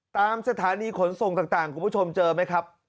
ตามสถานีขนส่งต่างคุณผู้ชมเจอไหมครับ